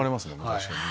確かに。